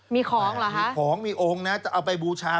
มีของเหรอฮะมีของมีองค์นะจะเอาไปบูชา